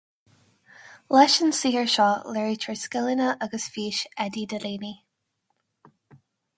Leis an saothar seo léirítear scileanna agus fís Eddie Delaney